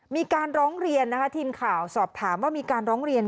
มีการร้องเรียนนะคะทีมข่าวสอบถามว่ามีการร้องเรียน